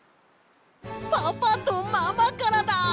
パパとママからだ！